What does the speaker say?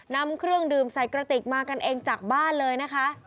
นำเครื่องดื่มใส่กระติกมากันเองจากบ้านเลยนะคะ